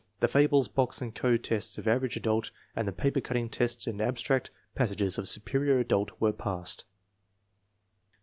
The fables, box and code tests of Average Adult, and the paper cutting test and abstract pas sages of Superior Adult were passed.